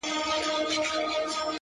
ته پاچایې د ځنگلونو او د غرونو-